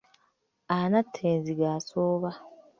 Anatta enzige asooba.